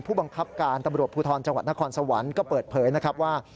ผู้บังคับการตำรวจภูทรจังหวัดนครสวรรค์ก็เปิดเผยนะครับว่า